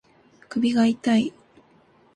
首が痛い